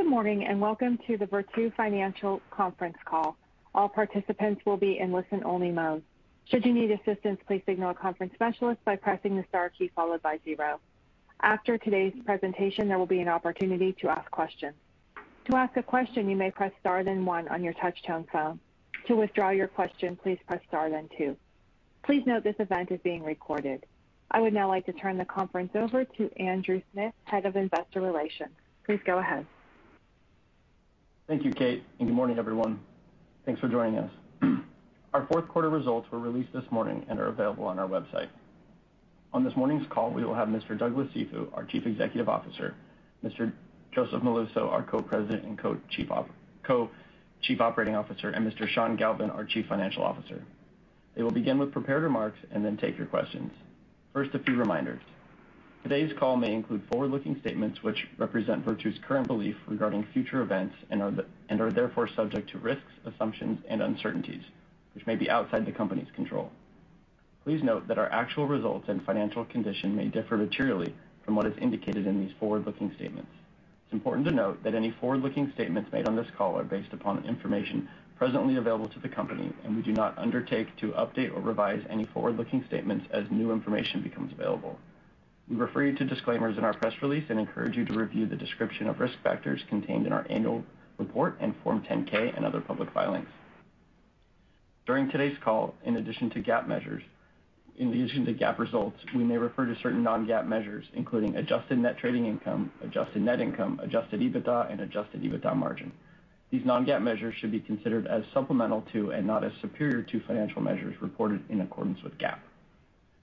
Good morning, and welcome to the Virtu Financial Conference Call. All participants will be in listen-only mode. Should you need assistance, please signal a conference specialist by pressing the star key followed by zero. After today's presentation, there will be an opportunity to ask questions. To ask a question, you may press star then 1 on your touchtone phone. To withdraw your question, please press star then 2. Please note this event is being recorded. I would now like to turn the conference over to Andrew Smith, Head of Investor Relations. Please go ahead. Thank you, Kate, and good morning, everyone. Thanks for joining us. Our Q4 results were released this morning and are available on our website. On this morning's call, we will have Mr. Douglas Cifu, our Chief Executive Officer, Mr. Joseph Molluso, our Co-President and Co-Chief Operating Officer, and Mr. Sean Galvin, our Chief Financial Officer. They will begin with prepared remarks and then take your questions. First, a few reminders. Today's call may include forward-looking statements which represent Virtu's current belief regarding future events and are therefore subject to risks, assumptions, and uncertainties which may be outside the company's control. Please note that our actual results and financial condition may differ materially from what is indicated in these forward-looking statements. It's important to note that any forward-looking statements made on this call are based upon information presently available to the company, and we do not undertake to update or revise any forward-looking statements as new information becomes available. We refer you to disclaimers in our press release and encourage you to review the description of risk factors contained in our annual report and Form 10-K and other public filings. During today's call, in addition to GAAP results, we may refer to certain non-GAAP measures, including adjusted net trading income, adjusted net income, adjusted EBITDA, and adjusted EBITDA margin. These non-GAAP measures should be considered as supplemental to and not as superior to financial measures reported in accordance with GAAP.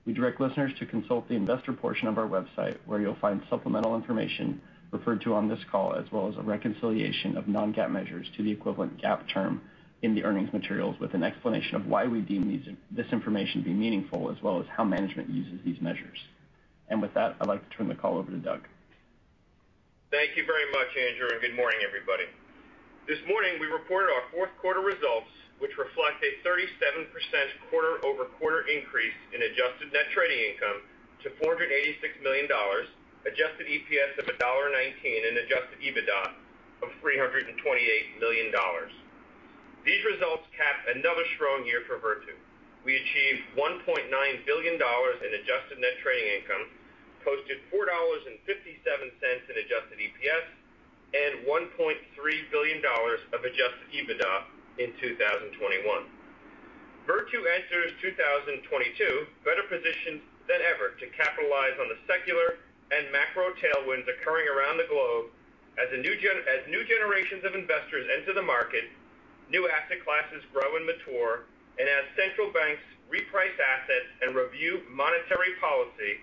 We direct listeners to consult the investor portion of our website, where you'll find supplemental information referred to on this call, as well as a reconciliation of non-GAAP measures to the equivalent GAAP term in the earnings materials with an explanation of why we deem this information to be meaningful, as well as how management uses these measures. With that, I'd like to turn the call over to Doug. Thank you very much, Andrew, and good morning, everybody. This morning, we reported our Q4 results, which reflect a 37% quarter-over-quarter increase in adjusted net trading income to $486 million, adjusted EPS of $1.19, and adjusted EBITDA of $328 million. These results cap another strong year for Virtu. We achieved $1.9 billion in adjusted net trading income, posted $4.57 in adjusted EPS, and $1.3 billion of adjusted EBITDA in 2021. Virtu enters 2022 better positioned than ever to capitalize on the secular and macro tailwinds occurring around the globe as new generations of investors enter the market, new asset classes grow and mature, and as central banks reprice assets and review monetary policy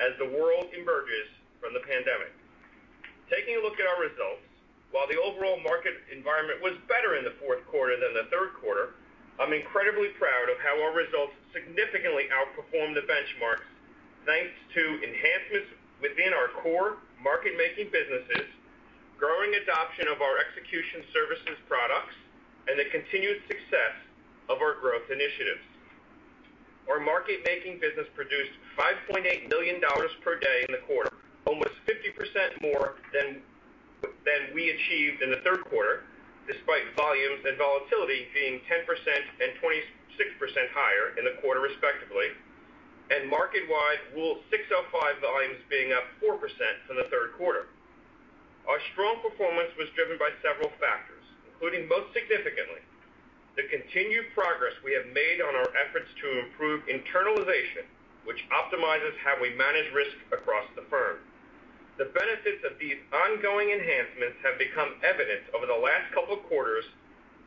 as the world emerges from the pandemic. Taking a look at our results, while the overall market environment was better in theQ4 than the Q3, I'm incredibly proud of how our results significantly outperformed the benchmarks, thanks to enhancements within our core market-making businesses, growing adoption of our execution services products, and the continued success of our growth initiatives. Our market-making business produced $5.8 million per day in the quarter, almost 50% more than we achieved in the Q3, despite volumes and volatility being 10% and 26% higher in the quarter, respectively, and market-wide Rule 605 volumes being up 4% from the Q3. Our strong performance was driven by several factors, including, most significantly, the continued progress we have made on our efforts to improve internalization, which optimizes how we manage risk across the firm. The benefits of these ongoing enhancements have become evident over the last couple of quarters,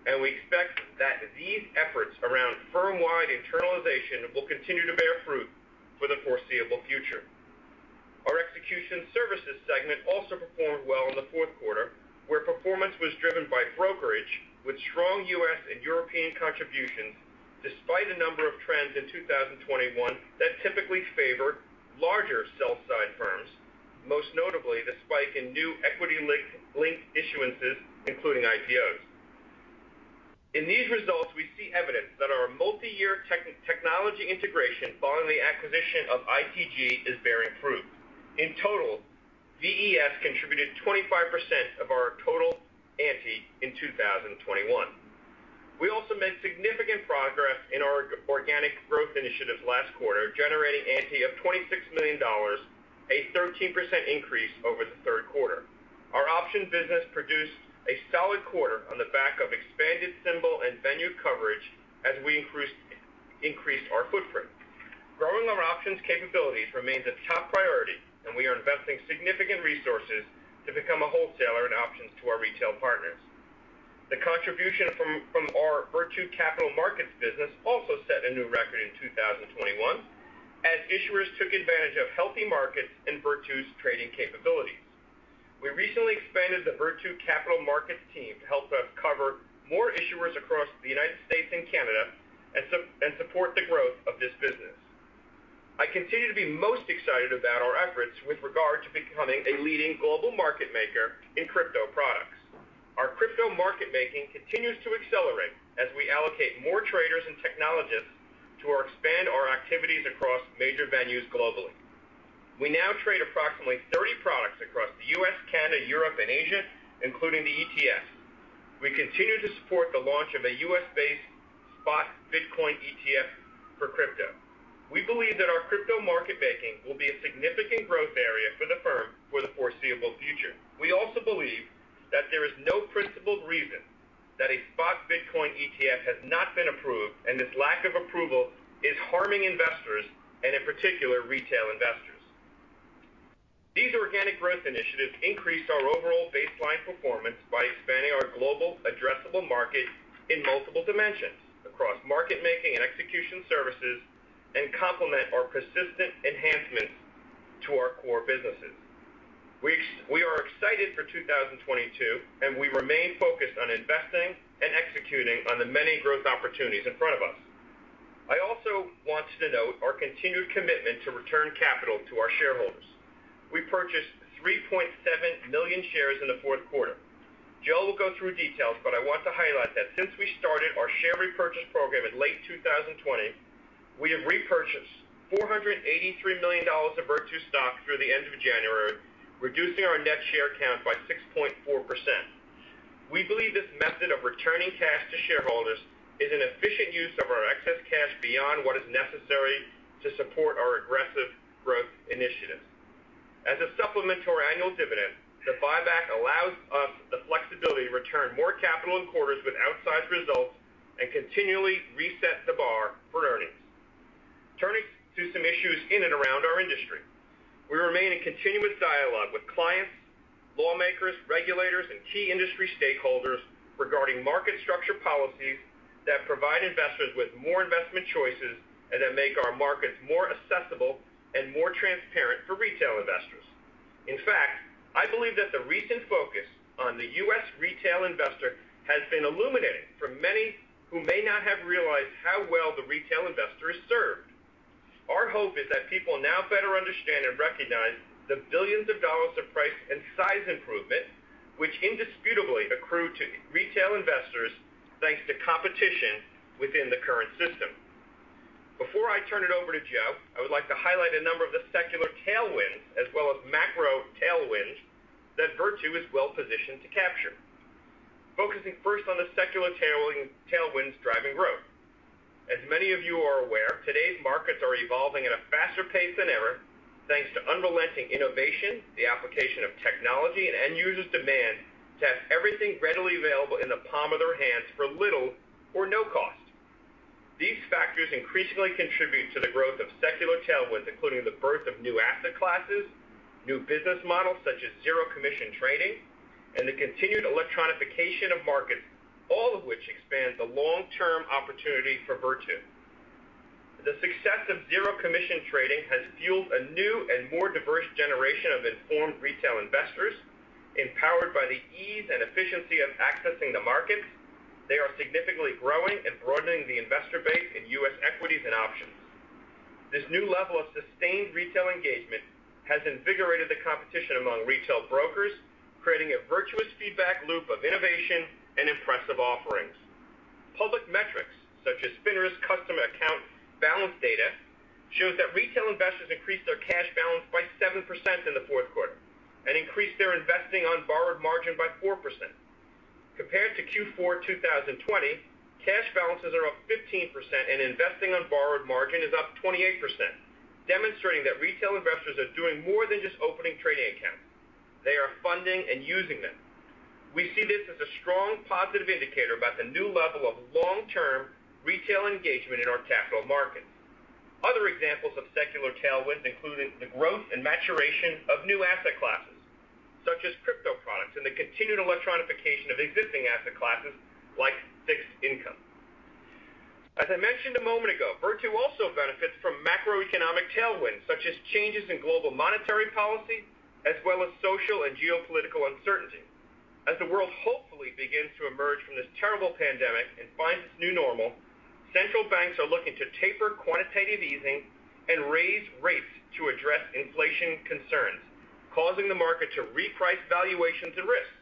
and we expect that these efforts around firm-wide internalization will continue to bear fruit for the foreseeable future. Our execution services segment also performed well in Q4, where performance was driven by brokerage with strong U.S. and European contributions, despite a number of trends in 2021 that typically favored larger sell side firms, most notably the spike in new equity-linked issuances, including IPOs. In these results, we see evidence that our multi-year technology integration following the acquisition of ITG is bearing fruit. In total, VES contributed 25% of our total ANTI in 2021. We also made significant progress in our organic growth initiatives last quarter, generating ANTI of $26 million, a 13% increase over Q3. Our options business produced a solid quarter on the back of expanded symbol and venue coverage as we increased our footprint. Growing our options capabilities remains a top priority, and we are investing significant resources to become a wholesaler in options to our retail partners. The contribution from our Virtu Capital Markets business also set a new record in 2021, as issuers took advantage of healthy markets in Virtu's trading capabilities. We recently expanded the Virtu Capital Markets team to help us cover more issuers across the United States and Canada, and support the growth of this business. I continue to be most excited about our efforts with regard to becoming a leading global market maker in crypto products. Crypto market-making continues to accelerate as we allocate more traders and technologists to expand our activities across major venues globally. We now trade approximately 30 products across the U.S., Canada, Europe, and Asia, including the ETFs. We continue to support the launch of a US-based spot Bitcoin ETF for crypto. We believe that our crypto market-making will be a significant growth area for the firm for the foreseeable future. We also believe that there is no principled reason that a spot Bitcoin ETF has not been approved, and this lack of approval is harming investors, and in particular, retail investors. These organic growth initiatives increase our overall baseline performance by expanding our global addressable market in multiple dimensions across market-making and execution services, and complement our persistent enhancements to our core businesses. We are excited for 2022, and we remain focused on investing and executing on the many growth opportunities in front of us. I also wanted to note our continued commitment to return capital to our shareholders. We purchased 3.7 million shares in Q4. Joe will go through details, but I want to highlight that since we started our share repurchase program in late 2020, we have repurchased $483 million of Virtu stock through the end of January, reducing our net share count by 6.4%. We believe this method of returning cash to shareholders is an efficient use of our excess cash beyond what is necessary to support our aggressive growth initiatives. As a supplement to our annual dividend, the buyback allows us the flexibility to return more capital in quarters with outsized results and continually reset the bar for earnings. Turning to some issues in and around our industry. We remain in continuous dialogue with clients, lawmakers, regulators, and key industry stakeholders regarding market structure policies that provide investors with more investment choices and that make our markets more accessible and more transparent for retail investors. In fact, I believe that the recent focus on the U.S. retail investor has been illuminating for many who may not have realized how well the retail investor is served. Our hope is that people now better understand and recognize the billions of dollars of price and size improvement, which indisputably accrue to retail investors, thanks to competition within the current system. Before I turn it over to Joe, I would like to highlight a number of the secular tailwinds as well as macro tailwinds that Virtu is well-positioned to capture. Focusing first on the secular tailwinds driving growth. As many of you are aware, today's markets are evolving at a faster pace than ever, thanks to unrelenting innovation, the application of technology, and end users' demand to have everything readily available in the palm of their hands for little or no cost. These factors increasingly contribute to the growth of secular tailwinds, including the birth of new asset classes, new business models such as zero commission trading, and the continued electronification of markets, all of which expand the long-term opportunity for Virtu. The success of zero commission trading has fueled a new and more diverse generation of informed retail investors. Empowered by the ease and efficiency of accessing the markets, they are significantly growing and broadening the investor base in U.S. equities and options. This new level of sustained retail engagement has invigorated the competition among retail brokers, creating a virtuous feedback loop of innovation and impressive offerings. Public metrics such as FINRA's customer account balance data show that retail investors increased their cash balance by 7% in Q4 and increased their investing on borrowed margin by 4%. Compared to Q4 2020, cash balances are up 15% and investing on borrowed margin is up 28%, demonstrating that retail investors are doing more than just opening trading accounts. They are funding and using them. We see this as a strong positive indicator of the new level of long-term retail engagement in our capital markets. Other examples of secular tailwinds include the growth and maturation of new asset classes, such as crypto products, and the continued electronification of existing asset classes like fixed income. As I mentioned a moment ago, Virtu also benefits from macroeconomic tailwinds, such as changes in global monetary policy, as well as social and geopolitical uncertainty. As the world hopefully begins to emerge from this terrible pandemic and finds its new normal, central banks are looking to taper quantitative easing and raise rates to address inflation concerns, causing the market to reprice valuations and risks.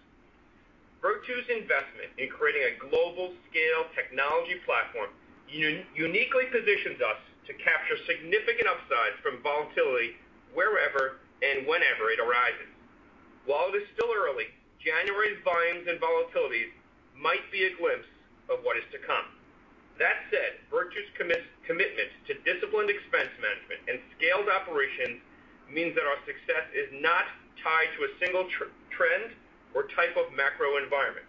Virtu's investment in creating a global scale technology platform uniquely positions us to capture significant upsides from volatility wherever and whenever it arises. While it is still early, January's volumes and volatility might be a glimpse of what is to come. That said, Virtu's commitment to disciplined expense management and scaled operations means that our success is not tied to a single trend or type of macro environment.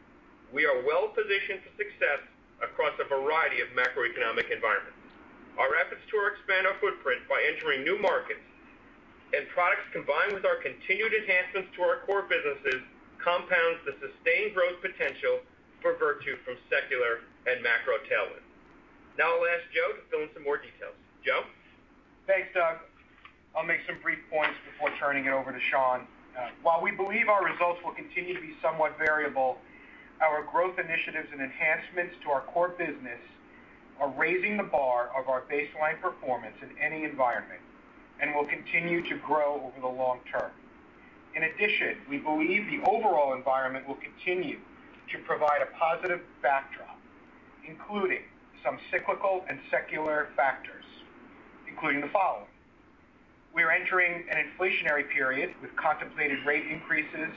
We are well positioned for success across a variety of macroeconomic environments. Our efforts to expand our footprint by entering new markets and products, combined with our continued enhancements to our core businesses, compound the sustained growth potential for Virtu from secular and macro tailwinds. Now I'll ask Joe to fill in some more details. Joe? Thanks, Doug. I'll make some brief points before turning it over to Sean. While we believe our results will continue to be somewhat variable, our growth initiatives and enhancements to our core business are raising the bar of our baseline performance in any environment and will continue to grow over the long term. In addition, we believe the overall environment will continue to provide a positive backdrop, including some cyclical and secular factors, including the following. We are entering an inflationary period with contemplated rate increases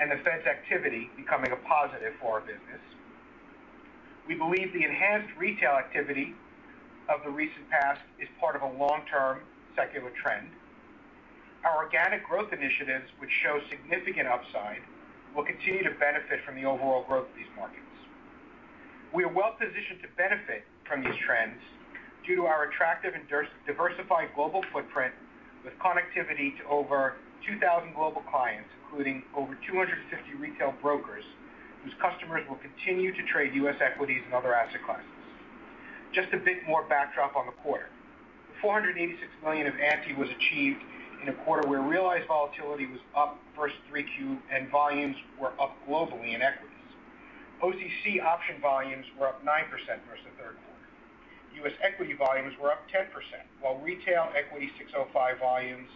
and the Fed's activity becoming a positive for our business. We believe the enhanced retail activity of the recent past is part of a long-term secular trend. Our organic growth initiatives, which show significant upside, will continue to benefit from the overall growth of these markets. We are well-positioned to benefit from these trends due to our attractive and diversified global footprint with connectivity to over 2,000 global clients, including over 250 retail brokers, whose customers will continue to trade U.S. equities and other asset classes. Just a bit more backdrop on the quarter. $486 million of ANTI was achieved in a quarter where realized volatility was up versus 3Q, and volumes were up globally in equities. OCC option volumes were up 9% versus Q3. U.S. equity volumes were up 10%, while retail equity 605 volumes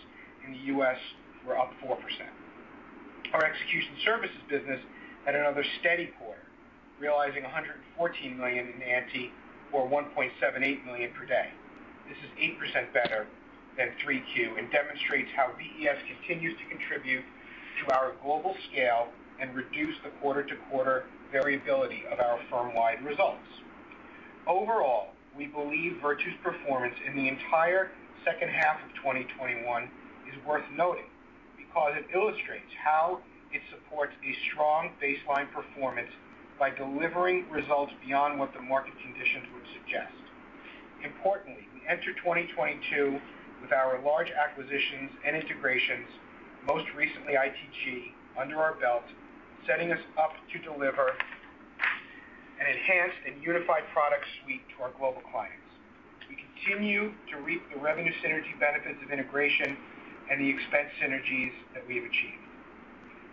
in the U.S. were up 4%. Our execution services business had another steady quarter, realizing $114 million in ANTI, or $1.78 million per day. This is 8% better than 3Q and demonstrates how VES continues to contribute to our global scale and reduce the quarter-to-quarter variability of our firm-wide results. Overall, we believe Virtu's performance in the entire second half of 2021 is worth noting because it illustrates how it supports a strong baseline performance by delivering results beyond what the market conditions would suggest. Importantly, we enter 2022 with our large acquisitions and integrations, most recently ITG, under our belt, setting us up to deliver an enhanced and unified product suite to our global clients. We continue to reap the revenue synergy benefits of integration and the expense synergies that we have achieved.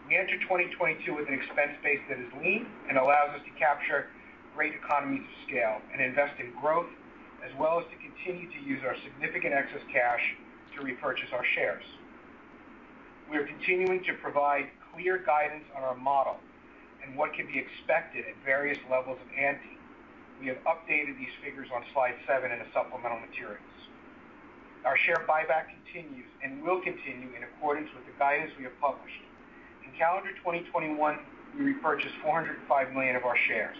We enter 2022 with an expense base that is lean and allows us to capture great economies of scale and invest in growth, as well as to continue to use our significant excess cash to repurchase our shares. We are continuing to provide clear guidance on our model and what can be expected at various levels of ANTI. We have updated these figures on slide seven in the supplemental materials. Our share buyback continues and will continue in accordance with the guidance we have published. In calendar 2021, we repurchased 405 million of our shares.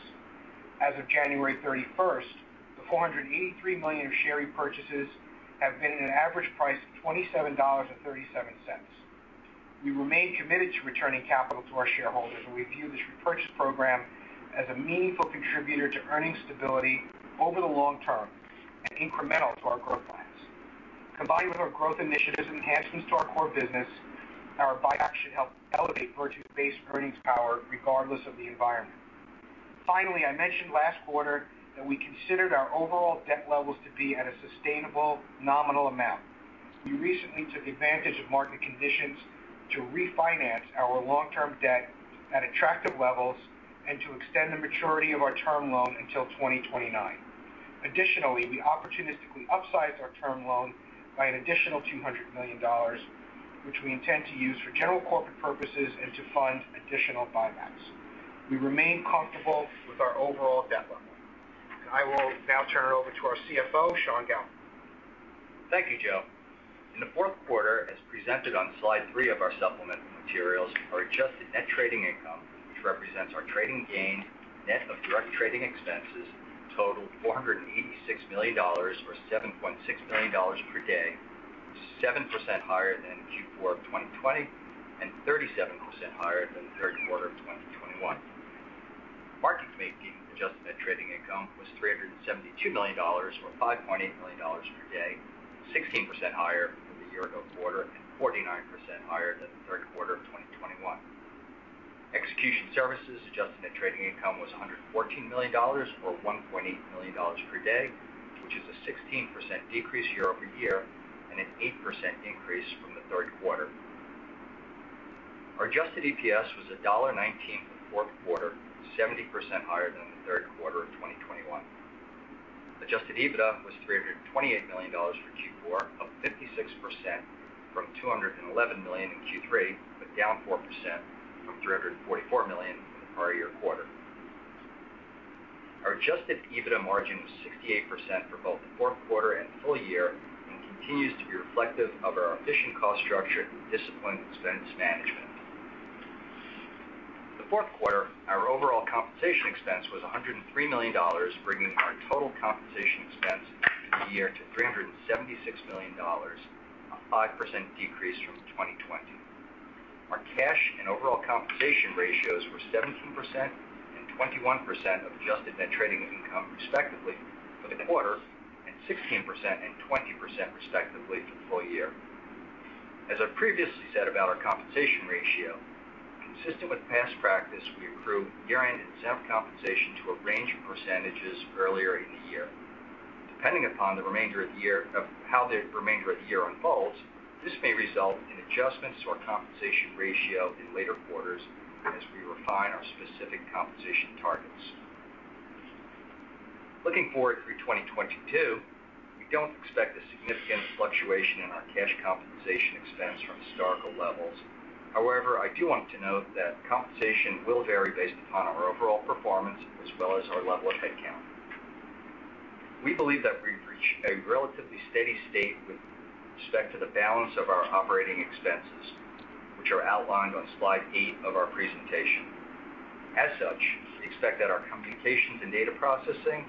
As of January 31, $483 million of share repurchases have been at an average price of $27.37. We remain committed to returning capital to our shareholders, and we view this repurchase program as a meaningful contributor to earnings stability over the long term and incremental to our growth plans. Combined with our growth initiatives and enhancements to our core business, our buyback should help elevate Virtu's base earnings power regardless of the environment. Finally, I mentioned last quarter that we considered our overall debt levels to be at a sustainable nominal amount. We recently took advantage of market conditions to refinance our long-term debt at attractive levels and to extend the maturity of our term loan until 2029. Additionally, we opportunistically upsized our term loan by an additional $200 million, which we intend to use for general corporate purposes and to fund additional buybacks. We remain comfortable with our overall debt level. I will now turn it over to our CFO, Sean Galvin. Thank you, Joe. In Q4, as presented on slide 3 of our supplemental materials, our adjusted net trading income, which represents our trading gain, net of direct trading expenses, totaled $486 million, or $7.6 million per day, 7% higher than Q4 of 2020 and 37% higher than Q3 of 2021. Market making adjusted net trading income was $372 million, or $5.8 million per day, 16% higher than the year-ago quarter and 49% higher than the Q3 of 2021. Execution services adjusted net trading income was $114 million, or $1.8 million per day, which is a 16% decrease year-over-year and an 8% increase from Q3. Our adjusted EPS was $1.19 for Q4, 70% higher than Q3 of 2021. Adjusted EBITDA was $328 million for Q4, up 56% from $211 million in Q3, but down 4% from $344 million in the prior year quarter. Our adjusted EBITDA margin was 68% for both the Q4 and full year and continues to be reflective of our efficient cost structure and disciplined expense management. In Q4, our overall compensation expense was $103 million, bringing our total compensation expense for the year to $376 million, a 5% decrease from 2020. Our cash and overall compensation ratios were 17% and 21% of Adjusted Net Trading Income, respectively, for the quarter, and 16% and 20%, respectively, for the full year. As I previously said about our compensation ratio, consistent with past practice, we accrue year-end exempt compensation to a range of percentages earlier in the year. Depending upon how the remainder of the year unfolds, this may result in adjustments to our compensation ratio in later quarters as we refine our specific compensation targets. Looking forward through 2022, we don't expect a significant fluctuation in our cash compensation expense from historical levels. However, I do want to note that compensation will vary based on our overall performance as well as our level of headcount. We believe that we've reached a relatively steady state with respect to the balance of our operating expenses, which are outlined on slide 8 of our presentation. As such, expect that our computations and data processing,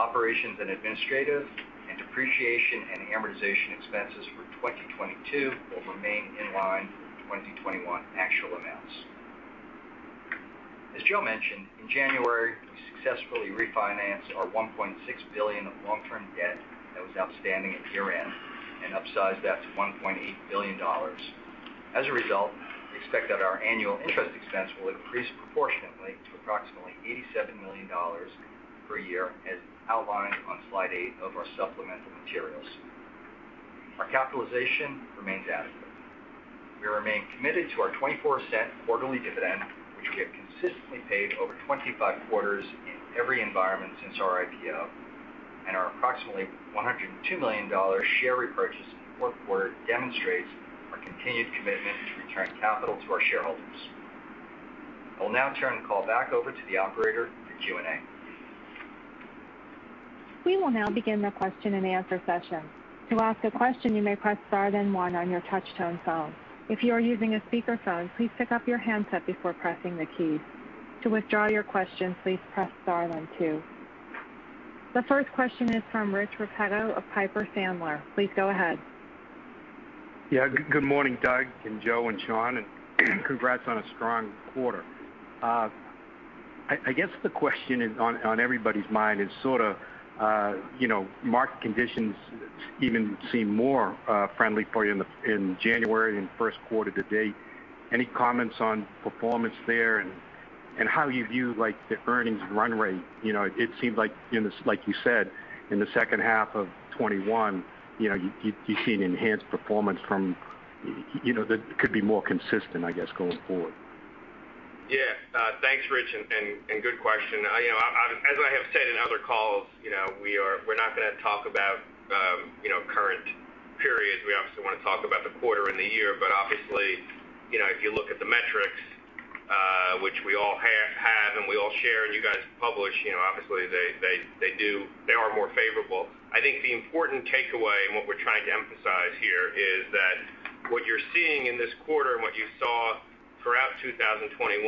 operations and administrative, and depreciation and amortization expenses for 2022 will remain in line with 2021 actual amounts. As Joe mentioned, in January, we successfully refinanced our $1.6 billion of long-term debt that was outstanding at year-end and upsized that to $1.8 billion. As a result, we expect that our annual interest expense will increase proportionately to approximately $87 million per year as outlined on slide 8 of our supplemental materials. Our capitalization remains adequate. We remain committed to our $0.24 quarterly dividend, which we have consistently paid over 25 quarters in every environment since our IPO, and our approximately $102 million share repurchase in the Q4 demonstrates our continued commitment to returning capital to our shareholders. I'll now turn the call back over to the operator for Q&A. We will now begin the question-and-answer session. To ask a question, you may press star then 1 on your touchtone phone. If you are using a speakerphone, please pick up your handset before pressing the key. To withdraw your question, please press star then 2. The first question is from Rich Repetto of Piper Sandler. Please go ahead. Good morning, Doug, Joe and Sean, and congrats on a strong quarter. I guess the question on everybody's mind is sort of, market conditions even seem more friendly for you in January and Q1 to date. Any comments on performance there and how you view, like, the earnings run rate? It seemed like you said, in the second half of 2021, you see an enhanced performance from, that could be more consistent, I guess, going forward. Thanks, Rich, and good question. I'm as I have said in other calls, we're not gonna talk about, current periods. We obviously wanna talk about the quarter and the year. Obviously, if you look at the metrics, which we all have, and we all share, and you guys publish, obviously they are more favorable. I think the important takeaway, and what we're trying to emphasize here, is that what you're seeing in this quarter and what you saw throughout 2021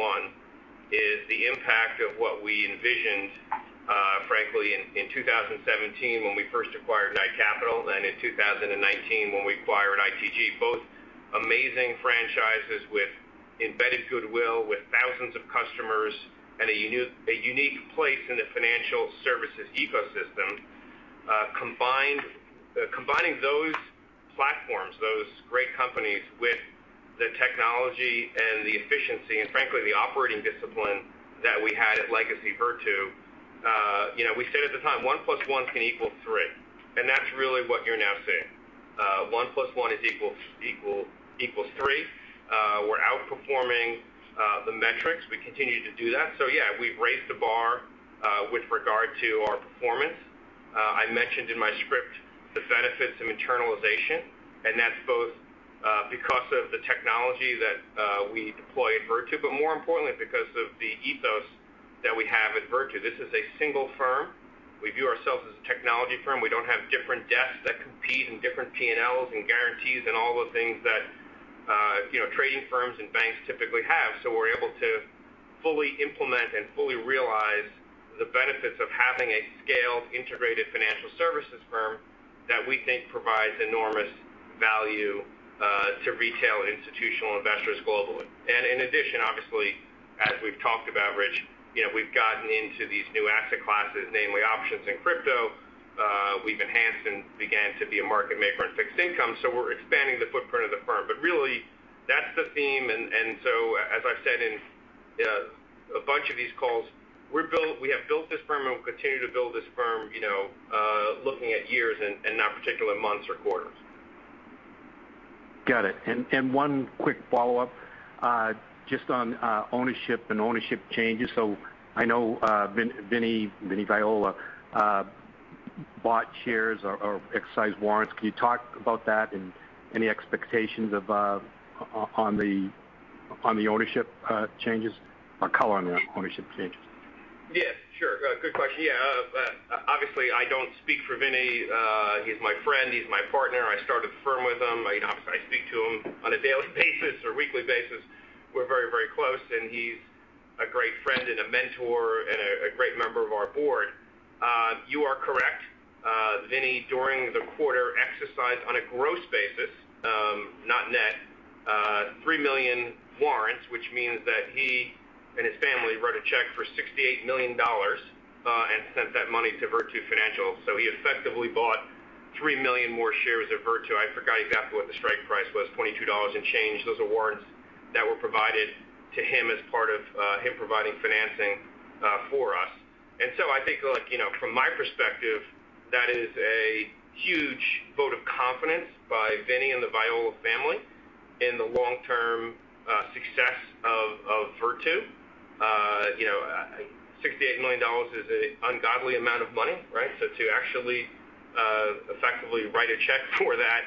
is the impact of what we envisioned, frankly in 2017 when we first acquired KCG and in 2019 when we acquired ITG, both amazing franchises with embedded goodwill, with thousands of customers and a unique place in the financial services ecosystem. Combining those platforms, those great companies with the technology and the efficiency and, frankly, the operating discipline that we had at Legacy Virtu, we said at the time, one plus one can equal three, and that's really what you're now seeing. One plus one equals three. We're outperforming the metrics. We continue to do that. We've raised the bar with regard to our performance. I mentioned in my script the benefits of internalization, and that's both because of the technology that we deploy at Virtu, but more importantly, because of the ethos that we have at Virtu. This is a single firm. We view ourselves as a technology firm. We don't have different desks that compete and different P&Ls and guarantees and all the things that trading firms and banks typically have. We're able to fully implement and fully realize the benefits of having a scaled, integrated financial services firm that we think provides enormous value to retail and institutional investors globally. In addition, obviously, as we've talked about, Rich, we've gotten into these new asset classes, namely options and crypto. We've enhanced and begun to be a market maker in fixed income, so we're expanding the footprint of the firm. Really, that's the theme. As I've said in a bunch of these calls, we have built this firm, and we'll continue to build this firm, looking at years and not particular months or quarters. Got it. One quick follow-up just on ownership and ownership changes. I know Vinny Viola bought shares or exercised warrants. Can you talk about that and any expectations on the ownership changes or color on the ownership changes? Yes, sure. Good question. Obviously, I don't speak for Vinny. He's my friend, he's my partner. I started the firm with him. Obviously, I speak to him on a daily basis or weekly basis. We're very close, and he's a great friend and a mentor and a great member of our board. You are correct. Vinny, during the quarter, exercised on a gross basis, not net, 3 million warrants, which means that he and his family wrote a check for $68 million and sent that money to Virtu Financial. So he effectively bought 3 million more shares of Virtu. I forgot exactly what the strike price was, $22 and change. Those are warrants that were provided to him as part of his providing financing for us. I think, like, from my perspective, that is a huge vote of confidence by Vinny and the Viola family in the long-term success of Virtu. $68 million is an ungodly amount of money, right? To actually effectively write a check for that,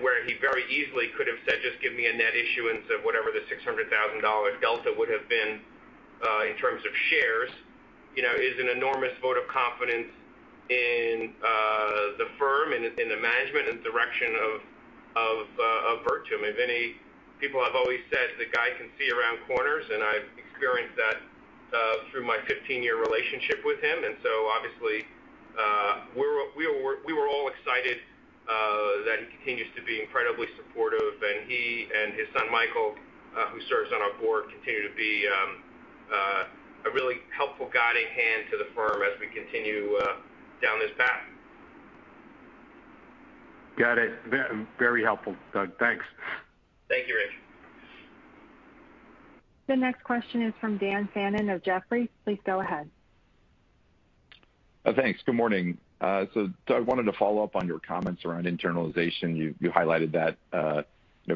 where he very easily could have said, "Just give me a net issuance of whatever the $600,000 delta would have been in terms of shares," is an enormous vote of confidence in the firm and in the management and direction of Virtu. I mean, Vinny, people have always said, "The guy can see around corners," and I've experienced that through my 15-year relationship with him. Obviously, we were all excited that he continues to be incredibly supportive. He and his son, Michael, who serves on our board, continue to be a really helpful guiding hand to the firm as we continue down this path. Got it. Very helpful, Doug. Thanks. Thank you, Rich. The next question is from Dan Fannon of Jefferies. Please go ahead. Thanks. Good morning. Doug, I wanted to follow up on your comments around internalization. You highlighted that, a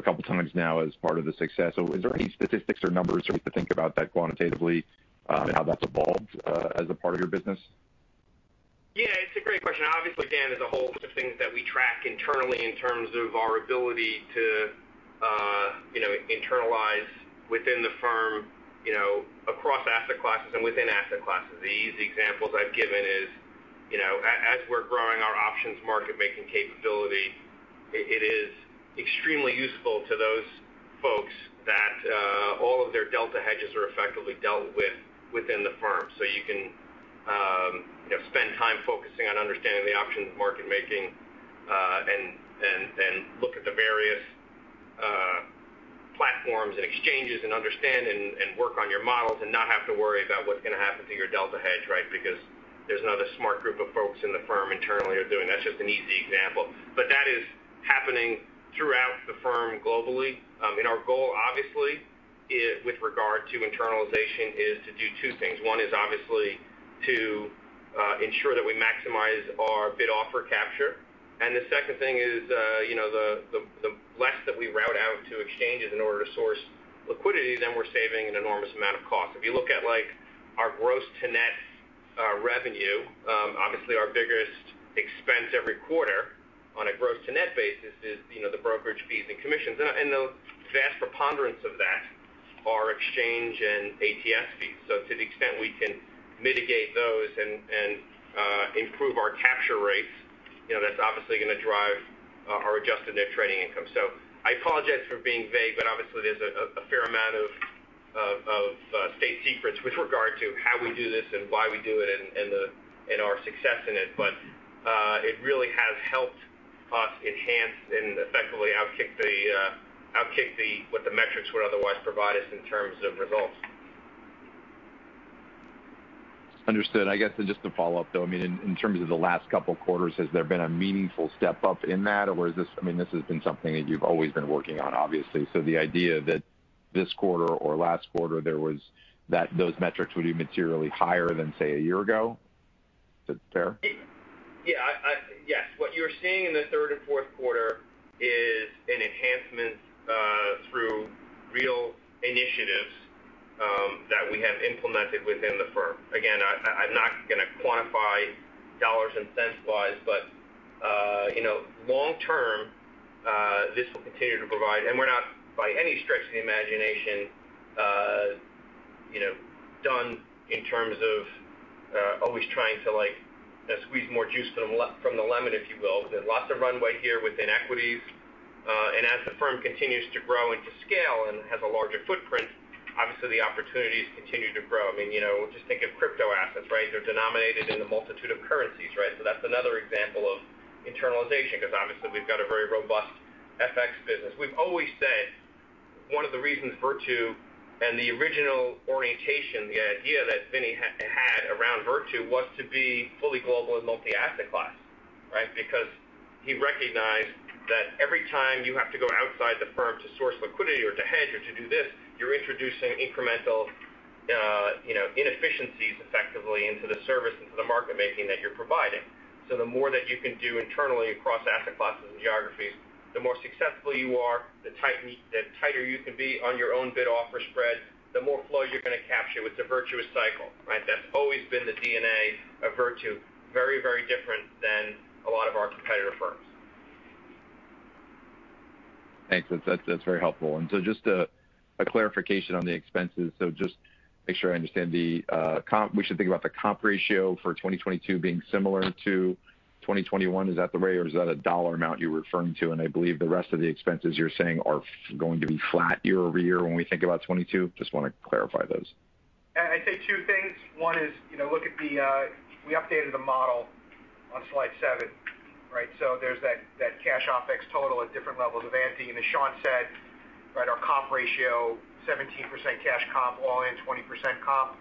couple of times now as part of the success. Is there any statistics or numbers for you to think about that quantitatively, how that's evolved as a part of your business? It's a great question. Obviously, Dan, there's a whole host of things that we track internally in terms of our ability to internalize within the firm, across asset classes, and within asset classes. The easy examples I've given are, as we're growing our options market-making capability, it is extremely useful to those folks that all of their delta hedges effectively dealt with within the firm. So you can spend time focusing on understanding the options market-making, and look at the various platforms and exchanges, and understand and work on your models, and not have to worry about what's gonna happen to your delta hedge, right? Because there's another smart group of folks in the firm internally are doing. That's just an easy example. That is happening throughout the firm globally. Our goal, obviously, with regard to internalization, is to do two things. One is obviously to ensure that we maximize our bid offer capture. The second thing is, the less we route out to exchanges in order to source liquidity, then we're saving an enormous amount of cost. If you look at, like, our gross to net revenue, obviously, our biggest expense every quarter on a gross to net basis is, the brokerage fees and commissions. The vast preponderance of that are exchange and ATS fees. So to the extent we can mitigate those and improve our capture rates, that's obviously gonna drive our Adjusted Net Trading Income. I apologize for being vague, but obviously, there's a fair amount of state secrets with regard to how we do this and why we do it and our success in it. But, it really has helped us enhance and effectively outkick what the metrics would otherwise provide us in terms of results. Understood. I guess just to follow up, though, I mean, in terms of the last couple of quarters, has there been a meaningful step up in that? Is this, I mean, this has been something that you've always been working on, obviously. The idea that this quarter or last quarter, there was, that those metrics would be materially higher than, say, a year ago? Is it fair? Yes. What you're seeing in Q3 and Q4 is an enhancement through real initiatives that we have implemented within the firm. Again, I'm not gonna quantify dollars and cents-wise, but long term, this will continue to provide. We're not by any stretch of the imagination done in terms of always trying to, like, squeeze more juice from the lemon, if you will. There's lots of runway here within equities. As the firm continues to grow and to scale and has a larger footprint, obviously, the opportunities continue to grow. I mean, just think of crypto assets. They're denominated in a multitude of currencies. That's another example of internalization because obviously, we've got a very robust FX business. We've always said one of the reasons Virtu and the original orientation, the idea that Vinny had around Virtu, was to be fully global and multi-asset class, right? Because he recognized that every time you have to go outside the firm to source liquidity or to hedge or to do this, you're introducing incremental inefficiencies effectively into the service, into the market-making that you're providing. The more that you can do internally across asset classes and geographies, the more successful you are, the tighter you can be on your own bid offer spread, the more flow you're gonna capture. It's a virtuous cycle, right? That's always been the DNA of Virtu. Very, very different than a lot of our competitor firms. Thanks. That's very helpful. Just a clarification on the expenses. Just make sure I understand. We should think about the comp ratio for 2022 being similar to 2021. Is that the way, or is that a dollar amount you're referring to? I believe the rest of the expenses you're saying are going to be flat year-over-year when we think about 2022. Just wanna clarify those. I'd say two things. One is, look at the, we updated the model on slide 7. There's that. Different levels of ANTI. And as Sean said, right, our comp ratio, 17% cash comp, all in 20% comp.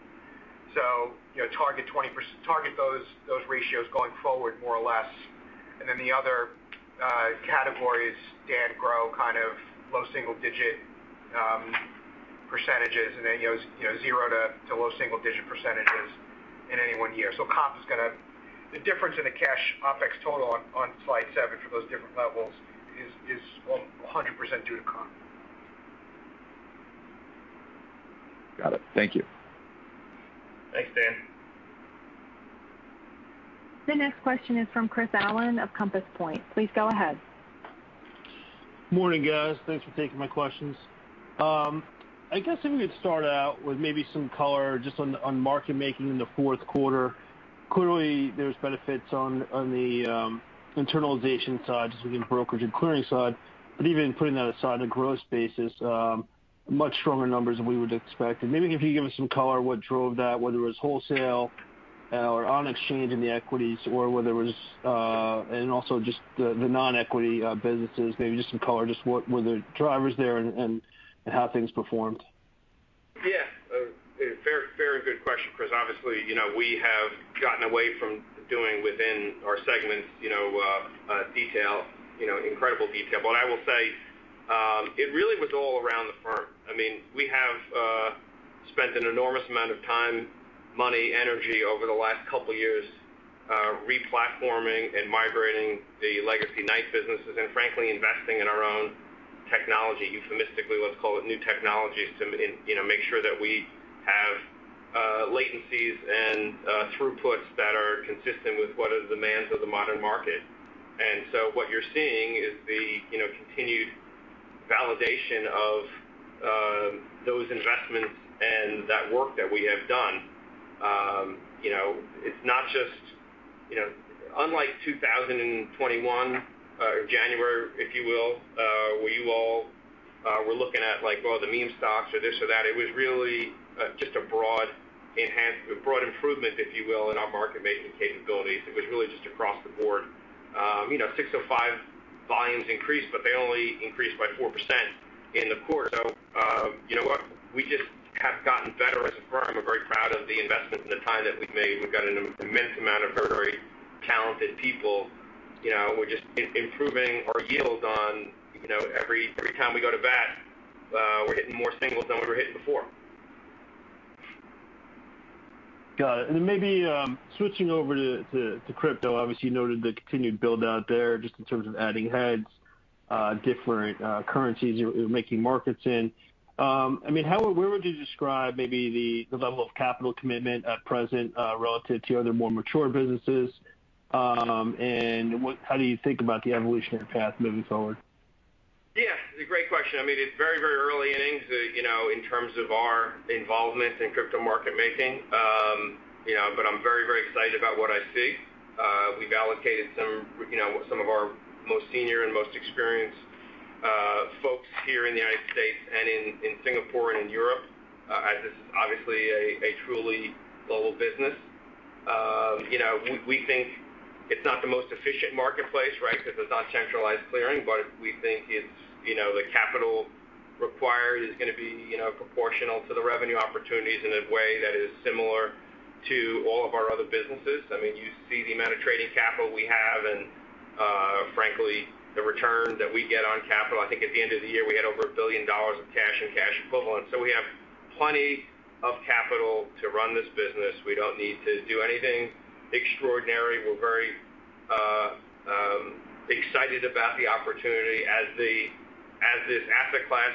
So, target 20%, target those ratios going forward more or less. And then the other categories, Dan, grow kind of low single digit %. And then, 0% to low single digit % in any one year. So comp is gonna, the difference in the cash OPEX total on slide 7 for those different levels is 100% due to comp. Got it. Thank you. Thanks, Dan. The next question is from Chris Allen of Compass Point. Please go ahead. Morning, guys. Thanks for taking my questions. I guess if we could start out with maybe some color just on market-making in the Q4. Clearly, there are benefits on the internalization side, just within the brokerage and clearing side. But even putting that aside, on a gross basis, much stronger numbers than we would expect. Maybe if you give us some color, what drove that, whether it was wholesale or on exchange in the equities, or whether it was also just the non-equity businesses, maybe just some color, just what were the drivers there, and how things performed? A very, very good question, Chris. Obviously, we have gotten away from doing within our segments, detail, incredible detail. I will say, it really was all around the firm. I mean, we have spent an enormous amount of time, money, energy over the last couple of years, replatforming and migrating the Legacy KCG businesses, and frankly, investing in our own technology, euphemistically, let's call it new technologies, to, make sure that we have latencies and throughputs that are consistent with what the demands of the modern market. What you're seeing is the continued validation of those investments and that work that we have done. It's not just, unlike January 2021, if you will, where you all were looking at like, well, the meme stocks or this or that, it was really just a broad improvement, if you will, in our market-making capabilities. It was really just across the board. 605 volumes increased, but they only increased by 4% in the quarter. You know what? We have just gotten better as a firm. We're very proud of the investment and the time that we've made. We've got an immense amount of very talented people. We're just improving our yield on. Every time we go to bat, we're hitting more singles than we were hitting before. Got it. Maybe switching over to crypto, obviously, you noted the continued build out there just in terms of adding heads, different currencies you're making markets in. I mean, where would you describe maybe the level of capital commitment at present, relative to other more mature businesses? How do you think about the evolutionary path moving forward? It's a great question. I mean, it's very, very early innings, in terms of our involvement in crypto market-making. I'm very, very excited about what I see. We've allocated some, some of our most senior and most experienced folks here in the United States, in Singapore, and in Europe, as this is obviously a truly global business. We think it's not the most efficient marketplace, right? Because it's not centralized clearing, but we think it's, the capital required is gonna be proportional to the revenue opportunities in a way that is similar to all of our other businesses. I mean, you see the amount of trading capital we have, and, frankly, the return that we get on capital. I think at the end of the year, we had over $1 billion of cash and cash equivalents. We have plenty of capital to run this business. We don't need to do anything extraordinary. We're very excited about the opportunity. As this asset class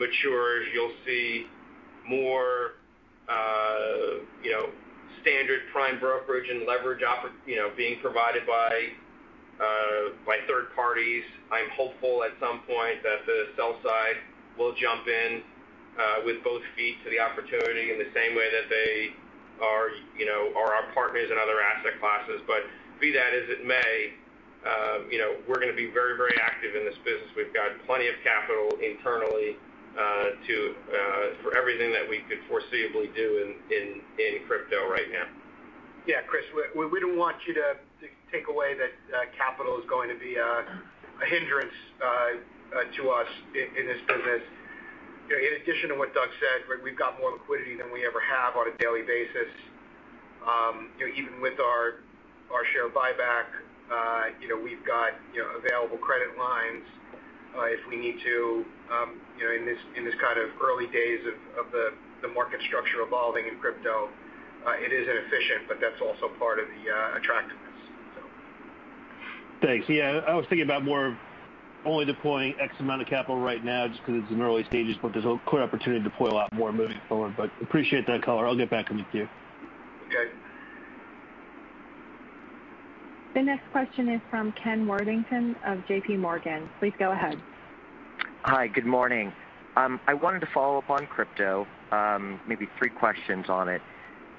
matures, you'll see more standard prime brokerage and leverage opportunities being provided by third parties. I'm hopeful at some point the sell side will jump in with both feet to the opportunity in the same way that they are, our partners in other asset classes. Be that as it may, we're gonna be very, very active in this business. We've got plenty of capital internally for everything that we could foreseeably do in crypto right now. Chris, we don't want you to take away that capital is going to be a hindrance to us in this business. In addition to what Doug said, we've got more liquidity than we ever have on a daily basis. Even with our share buyback, we've got, available credit lines, if we need to. In this kind of early days of the market structure evolving in crypto, it is inefficient, but that's also part of the attractiveness. Thanks. I was thinking about more of only deploying X amount of capital right now just 'cause it's in early stages, but there's a clear opportunity to deploy a lot more moving forward. Appreciate that color. I'll get back with you. Okay. The next question is from Ken Worthington of J.P. Morgan. Please go ahead. Hi, good morning. I wanted to follow up on crypto, maybe three questions on it.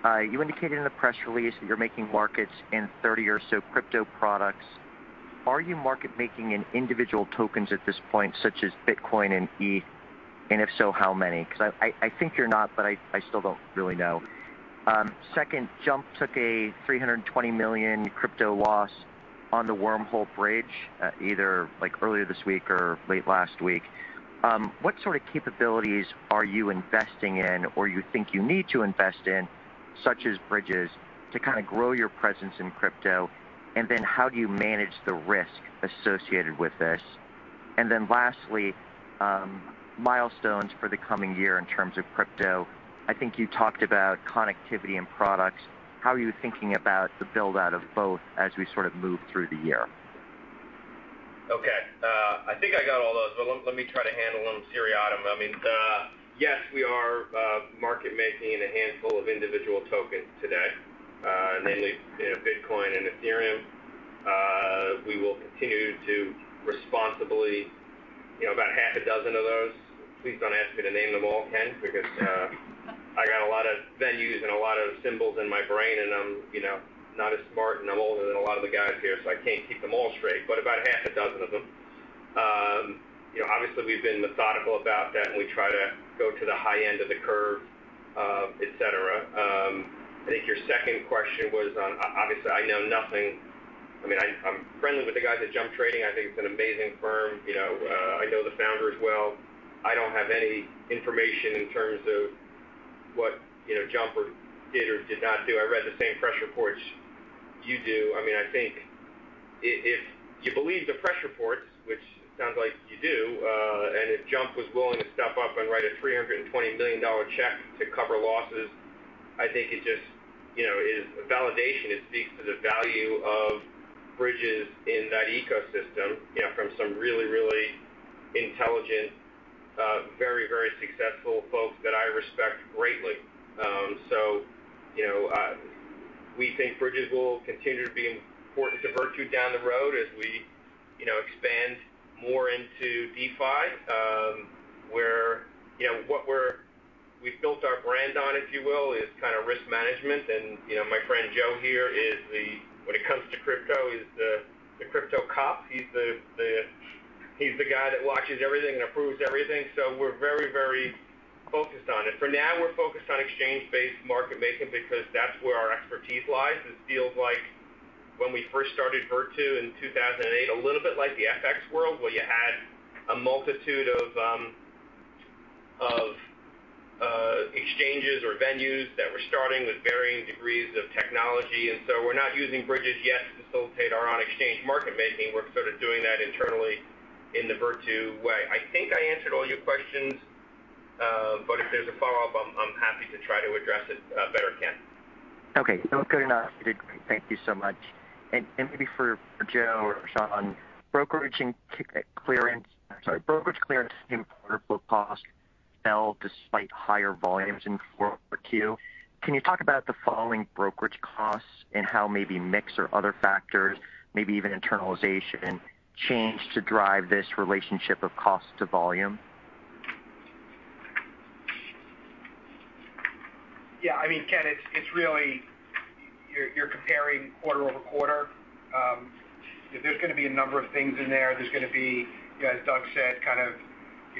You indicated in the press release that you're making markets in 30 or so crypto products. Are you market-making in individual tokens at this point, such as Bitcoin and ETH? If so, how many? Because I think you're not, but I still don't really know. Second, Jump took a $300 million crypto loss on the Wormhole bridge, either like earlier this week or late last week. What sort of capabilities are you investing in or you think you need to invest in, such as bridges, to kind of grow your presence in crypto? Then how do you manage the risk associated with this? Then lastly, milestones for the coming year in terms of crypto. I think you talked about connectivity and products. How are you thinking about the build-out of both as we sort of move through the year? Okay. I think I got all those, but let me try to handle them seriatim. I mean, yes, we are market-making in a handful of individual tokens today, namely, Bitcoin and Ethereum. We will continue to responsibly, about half a dozen of those. Please don't ask me to name them all, Ken, because I got a lot of venues and a lot of symbols in my brain, and I'm, not as smart, and I'm older than a lot of the guys here, so I can't keep them all straight, but about half a dozen of them. obviously, we've been methodical about that, and we try to go to the high end of the curve, et cetera. I think your second question was. Obviously I know nothing. I mean, I'm friendly with the guys at Jump Trading. I think it's an amazing firm. I know the founder as well. I don't have any information in terms of what, Jump or did or did not do. I read the same press reports you do. I mean, I think if you believe the press reports, which sounds like you do, and if Jump was willing to step up and write a $320 million check to cover losses, I think it just, is validation. It speaks to the value of bridges in that ecosystem, from some really, really intelligent, very, very successful folks that I respect greatly. We think bridges will continue to be important to Virtu down the road as we expand more into DeFi, where what we've built our brand on, if you will, is kind of risk management. My friend Joe here is the crypto cop when it comes to crypto. He's the guy who watches everything and approves everything. We're very, very focused on it. For now, we're focused on exchange-based market-making because that's where our expertise lies. It feels like when we first started Virtu in 2008, a little bit like the FX world, where you had a multitude of exchanges or venues that were starting with varying degrees of technology. We're not using bridges yet to facilitate our on-exchange market-making. We're sort of doing that internally in the Virtu way. I think I answered all your questions. If there's a follow-up, I'm happy to try to address it better, Ken. Okay. No, it's good enough. You did great. Thank you so much. Maybe for Joe or Sean on brokerage clearance and order flow costs fell despite higher volumes in quarter over quarter. Can you talk about the falling brokerage costs and how maybe mix or other factors, maybe even internalization, change to drive this relationship of cost to volume? I mean, Ken, it's really you're comparing quarter-over-quarter. There's gonna be a number of things in there. There's gonna be, as Doug said, kind of,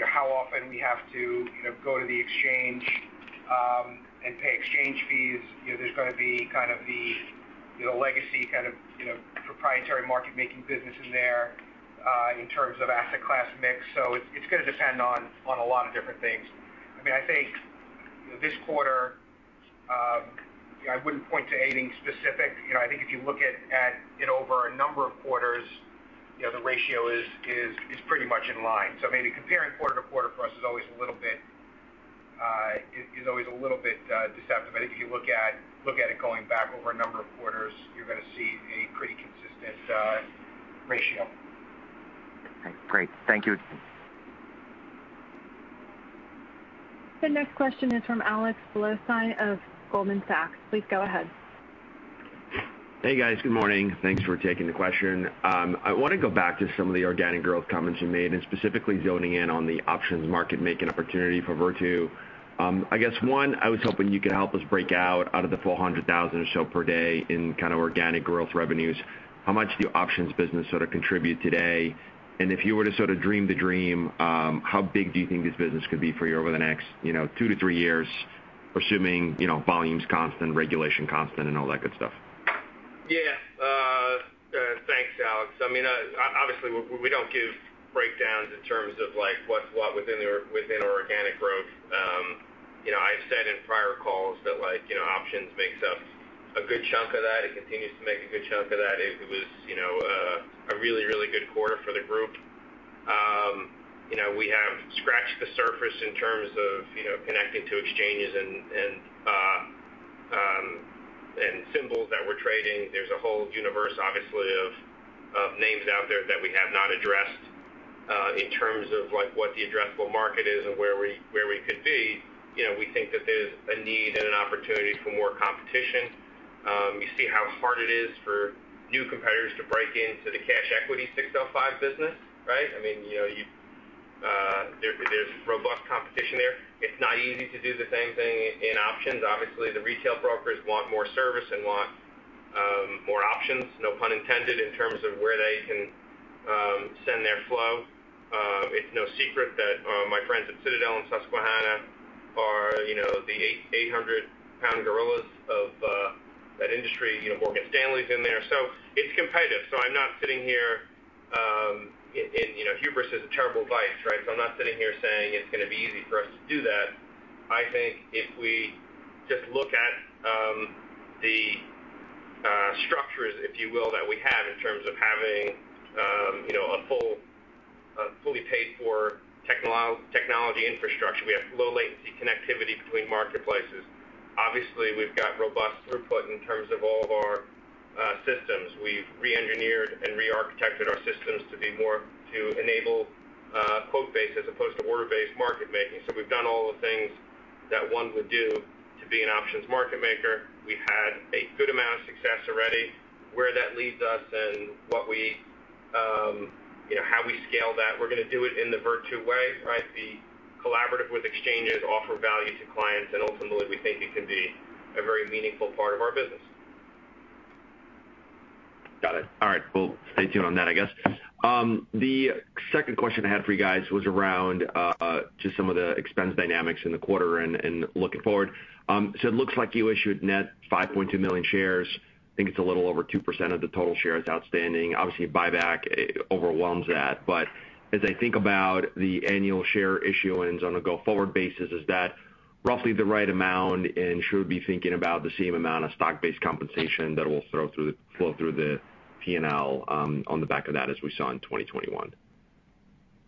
how often we have to go to the exchange and pay exchange fees. There's gonna be kind of the legacy kind of proprietary market-making business in there, in terms of asset class mix. So it's gonna depend on a lot of different things. I mean, I think, this quarter, I wouldn't point to anything specific. I think if you look at it over a number of quarters, the ratio is pretty much in line. Maybe comparing quarter to quarter for us is always a little bit deceptive. If you look at it going back over a number of quarters, you're gonna see a pretty consistent ratio. Okay, great. Thank you. The next question is from Alex Blostein of Goldman Sachs. Please go ahead. Hey, guys. Good morning. Thanks for taking the question. I wanna go back to some of the organic growth comments you made, and specifically zeroing in on the options market-making opportunity for Virtu. I guess, one, I was hoping you could help us break out of the $400,000 or so per day in kind of organic growth revenues, how much the options business sort of contributes today? If you were to sort of dream the dream, how big do you think this business could be for you over the next two to three years, assuming volume's constant, regulation's constant, and all that good stuff? Thanks, Alex. I mean, obviously, we don't give breakdowns in terms of like, what's what within our organic growth. I've said in prior calls that, like, options make up a good chunk of that. It continues to make a good chunk of that. It was a really good quarter for the group. We have scratched the surface in terms of connecting to exchanges and symbols that we're trading. There's a whole universe, obviously, of names out there that we have not addressed in terms of, like, what the addressable market is and where we could be. We think that there's a need and an opportunity for more competition. You see how hard it is for new competitors to break into the cash equity 605 business. I mean, there's robust competition there. It's not easy to do the same thing in options. Obviously, the retail brokers want more service and want more options, no pun intended, in terms of where they can send their flow. It's no secret that my friends at Citadel and Susquehanna are the 800-pound gorillas of that industry. Morgan Stanley's in there. It's competitive. I'm not sitting here. Hubris is a terrible vice, right? I'm not sitting here saying it's gonna be easy for us to do that. I think if we just look at the structures, if you will, that we have in terms of having a fully paid for technology infrastructure. We have low-latency connectivity between marketplaces. Obviously, we've got robust throughput in terms of all of our systems. We've reengineered and rearchitected our systems to be more to enable quote-based as opposed to order-based market-making. So we've done all the things that one would do to be an options market maker. We've had a good amount of success already. Where that leads us and what we, how we scale that, we're gonna do it in the Virtu way, right? Be collaborative with exchanges, offer value to clients, and ultimately, we think it can be a very meaningful part of our business. Got it. All right, cool. Stay tuned on that, I guess. The second question I had for you guys was around just some of the expense dynamics in the quarter and looking forward. So it looks like you issued net 5.2 million shares. I think it's a little over 2% of the total shares outstanding. Obviously, buyback overwhelms that. But as I think about the annual share issuance on a go-forward basis, is that roughly the right amount, and should we be thinking about the same amount of stock-based compensation that will flow through the P&L on the back of that as we saw in 2021?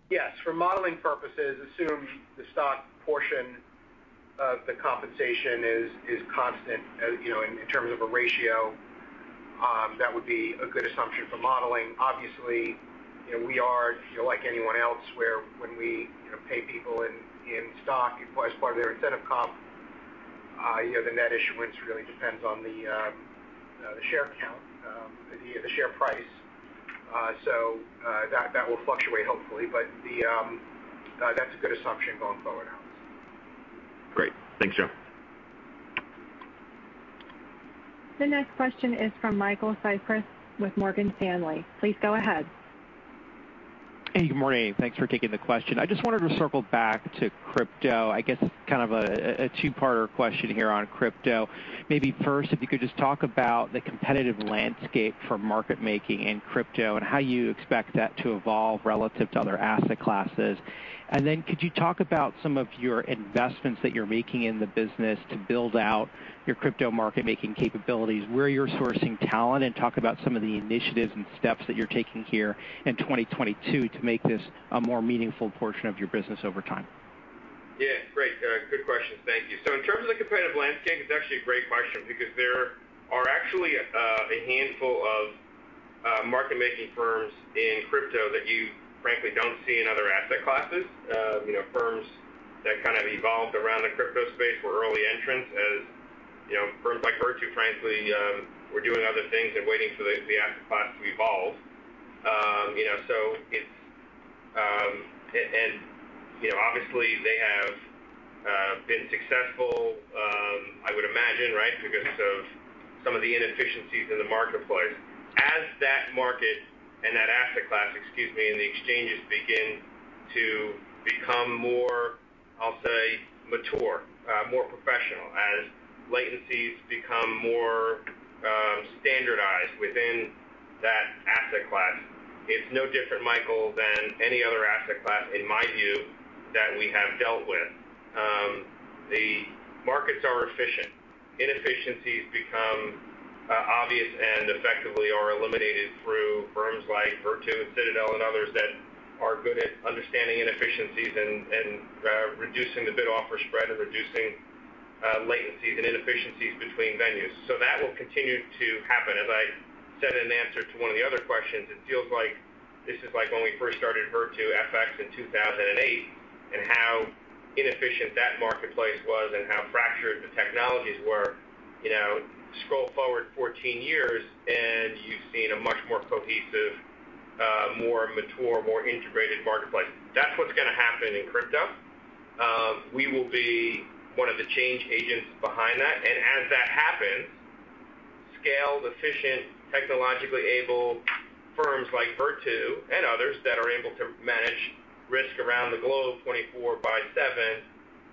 Yes. For modeling purposes, assume the stock portion of the compensation is constant, in terms of a ratio. That would be a good assumption for modeling. Obviously, we are, like anyone else, where when we pay people in stock as part of their incentive comp, the net issuance really depends on the share count, the share price. So, that will fluctuate, hopefully. That's a good assumption going forward, Alex. Great. Thanks, Joe. The next question is from Michael Cyprys with Morgan Stanley. Please go ahead. Hey, good morning. Thanks for taking the question. I just wanted to circle back to crypto. I guess kind of a two-parter question here on crypto. Maybe first, if you could just talk about the competitive landscape for market-making in crypto and how you expect that to evolve relative to other asset classes? Then could you talk about some of your investments that you're making in the business to build out your crypto market-making capabilities, where you're sourcing talent, and talk about some of the initiatives and steps that you're taking here in 2022 to make this a more meaningful portion of your business over time? Great. Good question. Thank you. In terms of the competitive landscape, it's actually a great question because there are actually a handful of market-making firms in crypto that you frankly don't see in other asset classes. firms that kind of evolved around the crypto space were early entrants. As firms like Virtu frankly were doing other things and waiting for the asset class to evolve. and obviously they have been successful, I would imagine, right? Because of some of the inefficiencies in the marketplace. As that market and that asset class, excuse me, and the exchanges begin to become more, I'll say, mature, more professional, as latencies become more, standardized within that asset class, it's no different, Michael, than any other asset class, in my view, that we have dealt with. The markets are efficient. Inefficiencies become, obvious and effectively are eliminated through firms like Virtu and Citadel and others that are good at understanding inefficiencies and, reducing the bid-offer spread and reducing latencies and inefficiencies between venues. That will continue to happen. As I said in answer to one of the other questions, it feels like this is like when we first started Virtu FX in 2008, and how inefficient that marketplace was and how fractured the technologies were. Scroll forward 14 years, and you've seen a much more cohesive, more mature, more integrated marketplace. That's what's gonna happen in crypto. We will be one of the change agents behind that. As that happens, scaled, efficient, technologically able firms like Virtu and others that are able to manage risk around the globe 24/7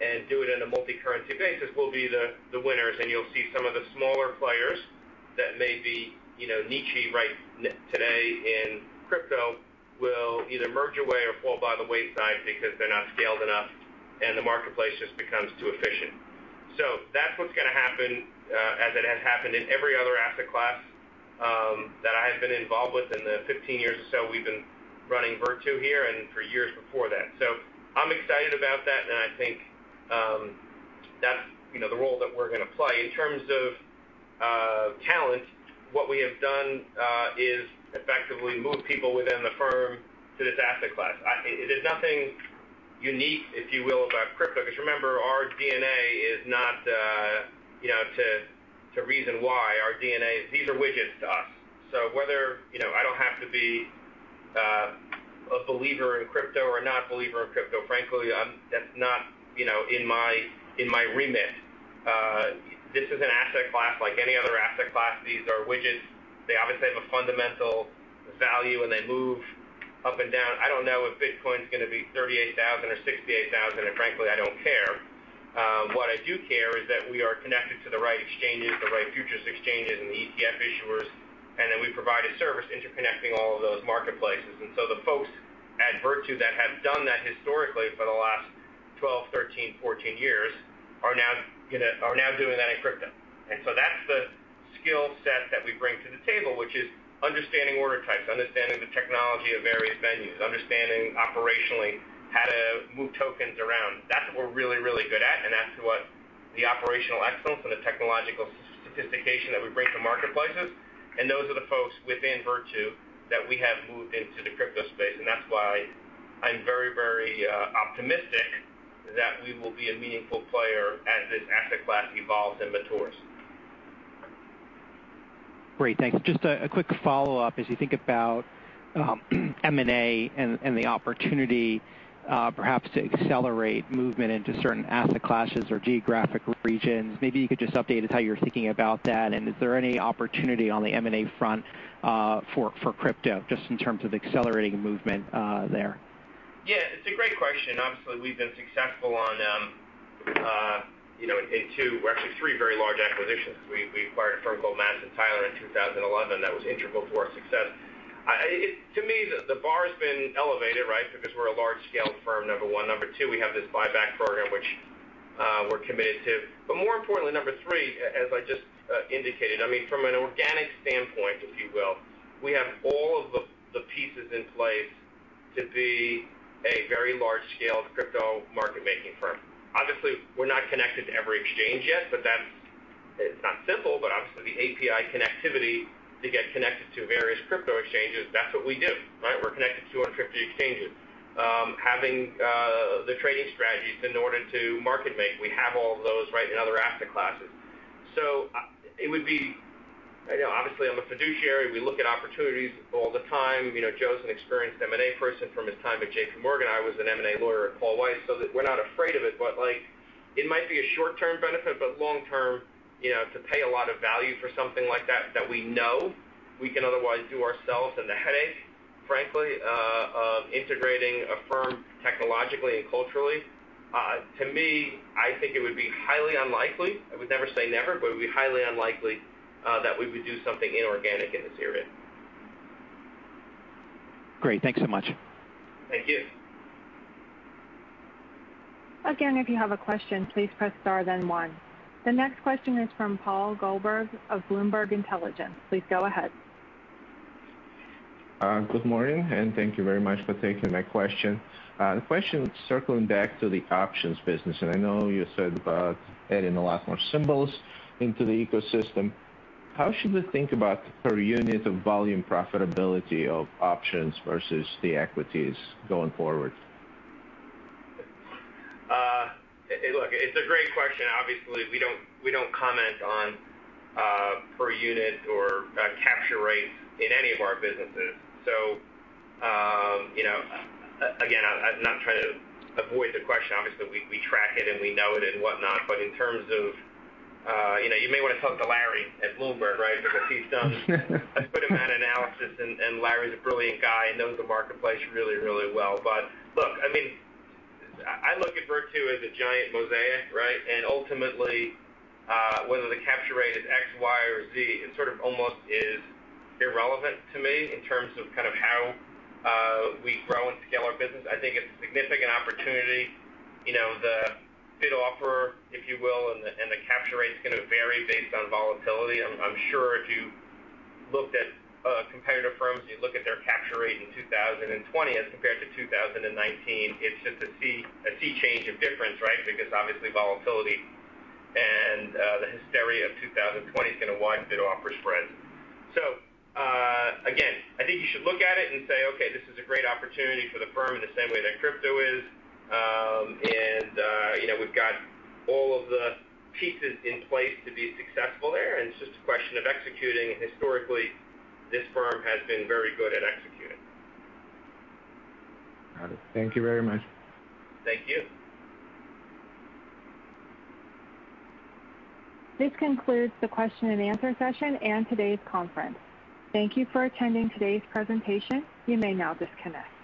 and do it on a multicurrency basis will be the winners. You'll see some of the smaller players that may be niche-y right now, today in crypto, will either merge away or fall by the wayside because they're not scaled enough, and the marketplace just becomes too efficient. That's what's gonna happen, as it has happened in every other asset class, that I have been involved with in the 15 years or so we've been running Virtu here and for years before that. I'm excited about that, and I think that's the role that we're gonna play. In terms of talent, what we have done is effectively move people within the firm to this asset class. There's nothing unique, if you will, about crypto, because remember, our DNA is not, to reason why. Our DNA is these are widgets to us. Whether I don't have to be a believer in crypto or not believer in crypto. Frankly, that's not, in my, in my remit. This is an asset class like any other asset class. These are widgets. They obviously have a fundamental value, and they move up and down. I don't know if Bitcoin's gonna be 38,000 or 68,000, and frankly, I don't care. What I do care is that we are connected to the right exchanges, the right futures exchanges and the ETF issuers, and that we provide a service interconnecting all of those marketplaces. The folks at Virtu that have done that historically for the last 12, 13, 14 years are now doing that in crypto. That's the skill set that we bring to the table, which is understanding order types, understanding the technology of various venues, understanding operationally how to move tokens around. That's what we're really good at, and that's what the operational excellence and the technological sophistication that we bring to marketplaces. Those are the folks within Virtu that we have moved into the crypto space. That's why I'm very optimistic that we will be a meaningful player as this asset class evolves and matures. Great. Thanks. Just a quick follow-up. As you think about M&A and the opportunity perhaps to accelerate movement into certain asset classes or geographic regions, maybe you could just update us how you're thinking about that. Is there any opportunity on the M&A front for crypto, just in terms of accelerating movement there? it's a great question. Obviously, we've been successful on, in two or actually three very large acquisitions. We acquired a firm called Madison Tyler in 2011. That was integral to our success. To me, the bar has been elevated, right? Because we're a large scale firm, number one. Number two, we have this buyback program, which we're committed to. But more importantly, number three, as I just indicated, I mean, from an organic standpoint, if you will, we have all of the pieces in place to be a very large scale crypto market-making firm. Obviously, we're not connected to every exchange yet, but that's. It's not simple, but obviously the API connectivity to get connected to various crypto exchanges, that's what we do, right? We're connected to 250 exchanges. Having the trading strategies in order to market make, we have all of those, right, in other asset classes. It would be. obviously I'm a fiduciary. We look at opportunities all the time. Joe's an experienced M&A person from his time at J.P. Morgan. I was an M&A lawyer at Paul Weiss, so that we're not afraid of it. Like, it might be a short term benefit, but long term, to pay a lot of value for something like that we know we can otherwise do ourselves and the headache, frankly, of integrating a firm technologically and culturally, to me, I think it would be highly unlikely. I would never say never, but it would be highly unlikely that we would do something inorganic in this area. Great. Thanks so much. Thank you. Again, if you have a question, please press star then 1. The next question is from Paul Goldberg of Bloomberg Intelligence. Please go ahead. Good morning, and thank you very much for taking my question. The question circling back to the options business, and I know you said about adding a lot more symbols into the ecosystem. How should we think about the per unit of volume profitability of options versus the equities going forward? Look, it's a great question. Obviously, we don't comment on per unit or capture rates in any of our businesses. Again, I'm not trying to avoid the question. Obviously, we track it, and we know it, and whatnot. In terms of you may wanna talk to Larry at Bloomberg. Because he's done a good amount of analysis and Larry's a brilliant guy and knows the marketplace really, really well. Look, I mean, I look at Virtu as a giant mosaic, right? Ultimately, whether the capture rate is X, Y, or Z, it is almost irrelevant to me in terms of kind of how we grow and scale our business. I think it's a significant opportunity. The bid offer, if you will, and the capture rate is gonna vary based on volatility. I'm sure if you looked at competitive firms and you look at their capture rate in 2020 as compared to 2019, it's just a sea change of difference, right? Because obviously volatility and the hysteria of 2020 is gonna widen bid offer spread. So again, I think you should look at it and say, "Okay, this is a great opportunity for the firm in the same way that crypto is." We've got all of the pieces in place to be successful there, and it's just a question of executing. Historically, this firm has been very good at executing. Got it. Thank you very much. Thank you. This concludes the question and answer session and today's conference. Thank you for attending today's presentation. You may now disconnect.